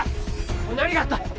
おい何があった？